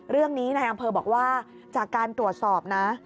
เรื่องนี้นายอังเภอบอกว่าจากการตรวจสอบนะ